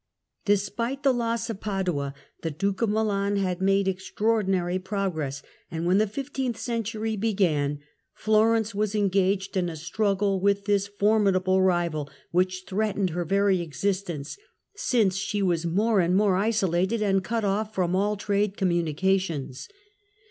Despite the loss of Padua, the Duke of Milan had War be „„, tweeu Flor made extraordinary progress, and when the ntteenth ence and century began, Florence was engaged in a struggle with this formidable rival, which threatened her very exis tence, since she was more and more isolated and cut off from all trade communications.